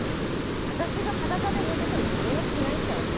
私が裸で寝てても何もしないってわけ？